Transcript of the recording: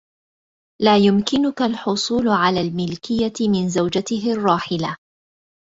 لا يمكنك الحصول علي الملكية من زوجته الراحلة.